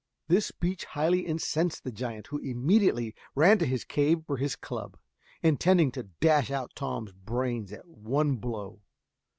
This speech highly incensed the giant, who immediately ran to his cave for his club, intending to dash out Tom's brains at one blow.